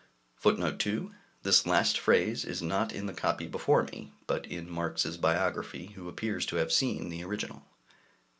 ] [Footnote 2: This last phrase is not in the copy before me, but in Marx's Biography, who appears to have seen the original.